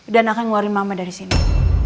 dan akan ngeluarin mama dari sini